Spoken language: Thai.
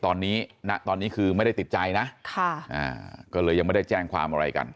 ตอนนี้ณตอนนี้คือไม่ได้ติดใจนะก็เลยยังไม่ได้แจ้งความอะไรกัน